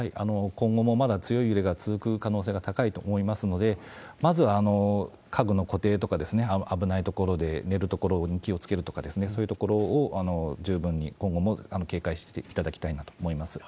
今後もまだ強い揺れが続く可能性が高いと思いますので、まずは家具の固定とか、危ない所で寝る所に気をつけるとか、そういうところを十分に今後も警戒していただきたいなと思います。